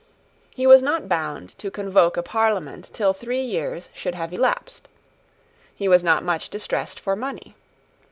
He was not bound to convoke a Parliament till three years should have elapsed. He was not much distressed for money.